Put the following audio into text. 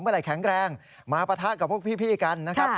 เมื่อไหร่แข็งแกร่งมาประทักกับพวกพี่กันนะครับ